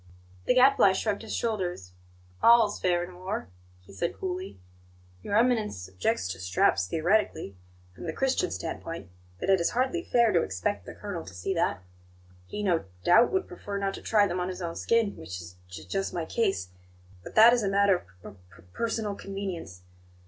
The Gadfly shrugged his shoulders. "All's fair in war," he said coolly. "Your Eminence objects to straps theoretically, from the Christian standpoint; but it is hardly fair to expect the colonel to see that. He, no doubt, would prefer not to try them on his own skin which is j j just my case. But that is a matter of p p personal convenience.